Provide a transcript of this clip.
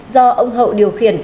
do ông hậu điều khiển